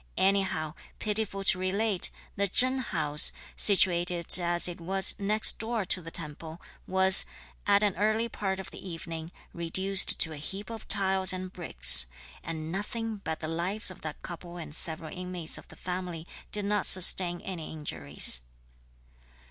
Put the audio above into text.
Anyhow, pitiful to relate, the Chen house, situated as it was next door to the temple, was, at an early part of the evening, reduced to a heap of tiles and bricks; and nothing but the lives of that couple and several inmates of the family did not sustain any injuries.